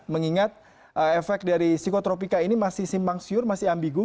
mengingat efek dari psikotropika ini masih simpang siur masih ambigu